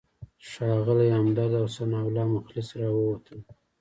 ښاغلی همدرد او ثناالله مخلص راووتل.